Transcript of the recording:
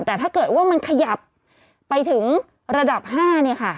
แต่ถ้าเกิดว่ามันขยับไปถึงระดับ๕เนี่ยค่ะ